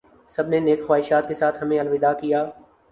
سب نے نیک خواہشات کے ساتھ ہمیں الوداع کیا